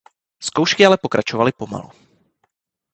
Zkoušky ale pokračovaly pomalu.